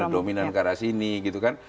dominan ke arah sini gitu kan